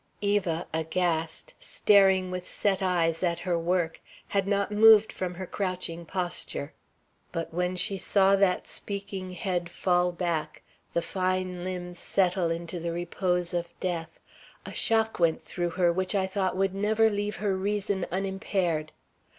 Eva, aghast, staring with set eyes at her work, had not moved from her crouching posture. But when she saw that speaking head fall back, the fine limbs settle into the repose of death, a shock went through her which I thought would never leave her reason unimpaired.